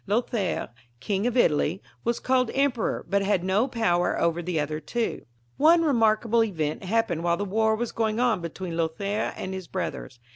Lothaire, King of Italy, was called Emperor, but had no power over the other two. One remarkable event happened while the war was going on between Lothaire and his brothers.